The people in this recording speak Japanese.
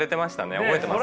覚えてます